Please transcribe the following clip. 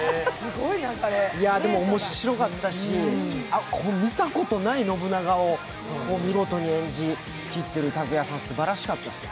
でも面白かったし、見たことない信長を見事に演じきってる拓哉さん、すばらしかったですね。